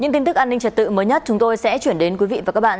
những tin tức an ninh trật tự mới nhất chúng tôi sẽ chuyển đến quý vị và các bạn